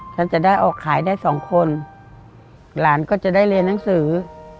ฉันจะได้ออกขายได้สองคนหลานก็จะได้เรียนหนังสือ